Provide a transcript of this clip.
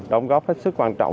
đóng góp hết sức quan trọng